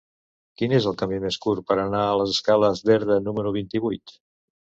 Quin és el camí més curt per anar a les escales d'Erta número vint-i-vuit?